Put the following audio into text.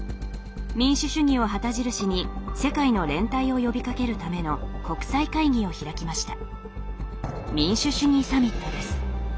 民主主義を旗印に世界の連帯を呼びかけるための国際会議を開きました。